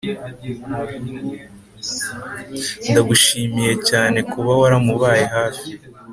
ndagushimiye cyanekuba waram baye hafi